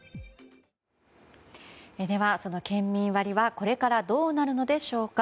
その県民割はこれからどうなるのでしょうか。